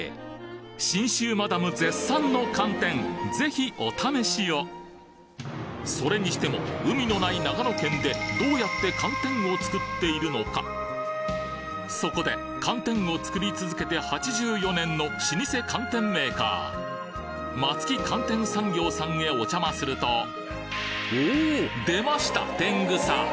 信州マダム絶賛の寒天ぜひお試しをそれにしても海のない長野県でそこで寒天を作り続けて８４年の老舗寒天メーカー松木寒天産業さんへお邪魔するとおおっ出ました天草！